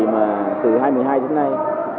mà từ hai mươi hai đến nay